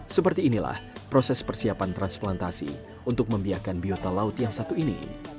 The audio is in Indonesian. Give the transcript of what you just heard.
seperti inilah proses persiapan transplantasi untuk membiarkan biota laut yang satu ini